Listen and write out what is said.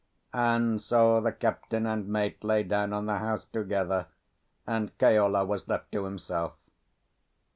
And so the captain and mate lay down on the house together, and Keola was left to himself.